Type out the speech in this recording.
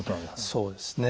そうですね。